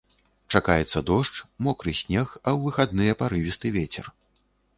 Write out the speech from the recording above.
Чакаецца дождж, мокры снег, а ў выхадныя парывісты вецер.